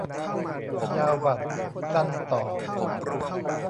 ยาวบั่น สั้นต่อ